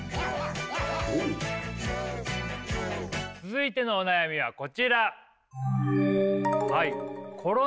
続いてのお悩みはこちら。